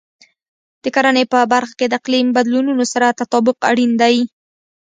د کرنې په برخه کې د اقلیم بدلونونو سره تطابق اړین دی.